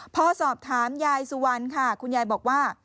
พอสอบถามยายสุวรรณค่ะคุณยายบอกว่า